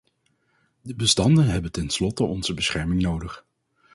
De bestanden hebben tenslotte onze bescherming nodig.